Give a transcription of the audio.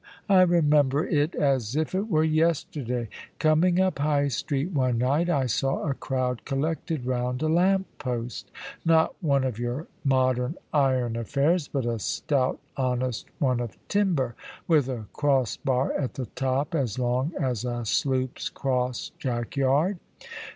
I remember it as if it were yesterday. Coming up High Street one night, I saw a crowd collected round a lamp post, not one of your modern iron affairs, but a stout, honest one of timber, with a cross bar at the top as long as a sloop's cross jack yard.